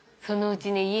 そのうちね